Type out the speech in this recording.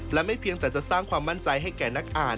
และไม่เพียงแต่จะสร้างความมั่นใจให้แก่นักอ่าน